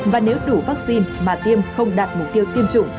và nếu đủ vaccine mà tiêm không đạt mục tiêu tiêm chủng